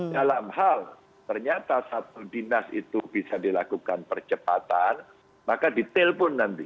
dalam hal ternyata satu dinas itu bisa dilakukan percepatan maka ditelepon nanti